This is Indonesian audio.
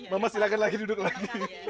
mama silahkan lagi duduk lagi